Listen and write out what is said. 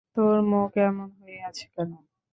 তোর মুখ এমন হয়ে আছে কেন?